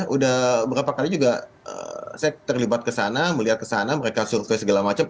sudah beberapa kali juga saya terlibat ke sana melihat ke sana mereka survei segala macam